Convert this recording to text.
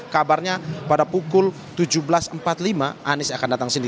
kabarnya pada pukul tujuh belas empat puluh lima anis akan datang sendiri